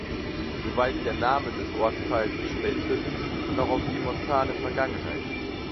So weist der Name des Ortsteils Schmelzhütten noch auf die montane Vergangenheit hin.